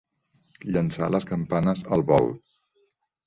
Llançar les campanes al vol.